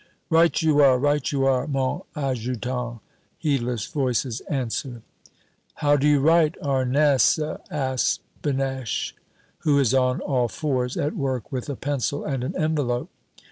"Right you are, right you are, mon adjutant," heedless voices answer. "How do you write 'Arnesse'?" asks Benech, who is on all fours, at work with a pencil and an envelope.